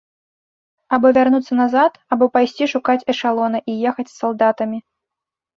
Або вярнуцца назад, або пайсці шукаць эшалона і ехаць з салдатамі.